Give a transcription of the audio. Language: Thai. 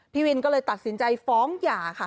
พี่วินก็เลยตัดสินใจฟ้องหย่าค่ะ